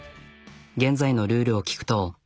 現在のルールを聞くと。